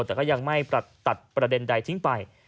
แต่ก็ยังไม่ตัดประเด็นใดทิ้งไป